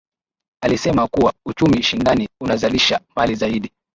Alisema kuwa uchumi shindani unazalisha mali zaidi